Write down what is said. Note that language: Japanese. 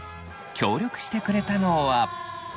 協力してくれたのは。